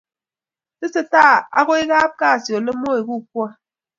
Tesetai ago kapkazi Ole moeku kwony